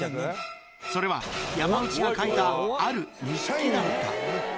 それは、山内が書いた、ある日記だった。